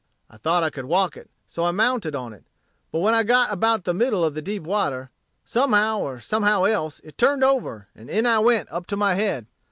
I thought I could walk it, so I mounted on it. But when I had got about the middle of the deep water, somehow or somehow else, it turned over, and in I went up to my head.